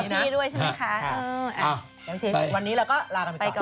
วันนี้เราก็ลากันไปก่อนนะ